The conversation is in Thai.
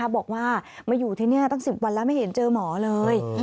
บอกว่ามาอยู่ที่นี่ตั้ง๑๐วันแล้วไม่เห็นเจอหมอเลย